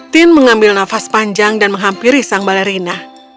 tin mengambil nafas panjang dan menghampiri sang balerina